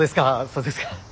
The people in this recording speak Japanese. そうですか。